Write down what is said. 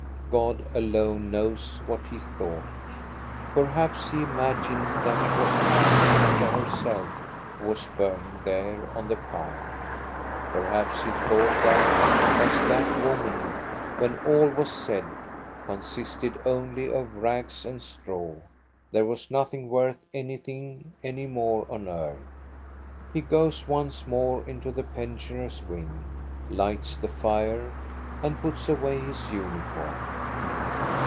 God alone knows what he thought. Perhaps he imagined that it was Countess Marta herself who was burning there on the pile. Perhaps he thought that, as that woman, when all was said, consisted only of rags and straw, there was nothing worth anything any more on earth. He goes once more into the pensiapers' wing, lights the fire, and puts away his uniform.